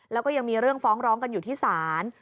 แล้วก็ยังมีเรื่องฟ้องร้องกันอยู่ที่ศาล